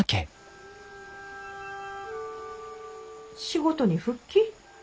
仕事に復帰？